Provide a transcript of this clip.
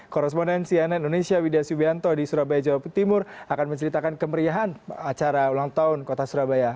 korresponden cnn indonesia wida subianto di surabaya jawa timur akan menceritakan kemeriahan acara ulang tahun kota surabaya